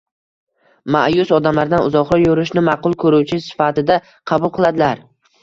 ma’yus, odamlardan uzoqroq yurishni ma’qul ko‘ruvchi sifatida qabul qiladilar.